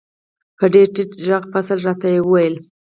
په ډیر ټیټ غږ فضل را ته و ویل: